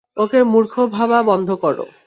ওকে মূর্খ ভাবা বন্ধ কর!